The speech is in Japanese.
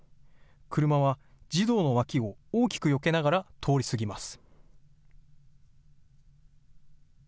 車は児童の脇を大きくよけながら通り過ぎます。